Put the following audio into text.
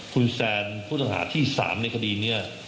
คุณแซนผู้ต้องหาที่๓ในคดีนี้